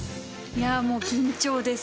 いや、もう緊張です。